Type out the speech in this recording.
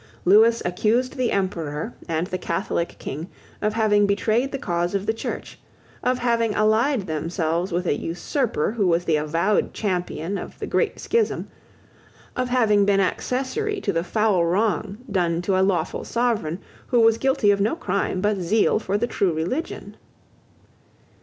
Lewis accused the Emperor and the Catholic King of having betrayed the cause of the Church; of having allied themselves with an usurper who was the avowed champion of the great schism; of having been accessary to the foul wrong done to a lawful sovereign who was guilty of no crime but zeal for the true religion.